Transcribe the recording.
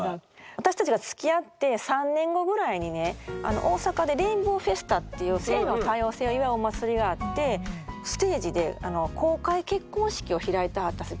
私たちがつきあって３年後ぐらいにね大阪でレインボーフェスタっていう性の多様性を祝うお祭りがあってステージで公開結婚式を開いてはったんです